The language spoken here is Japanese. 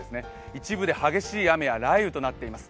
一部で激しい雨や雷雨となっています。